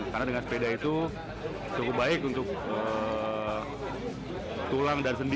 karena dengan sepeda itu cukup baik untuk tulang dan sendi